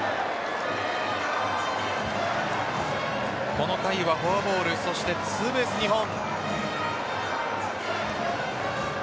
この回はフォアボールそしてツーベース２本。